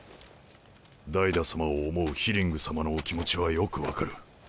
ダイダさまを思うヒリングさまのお気持ちはよく分かる。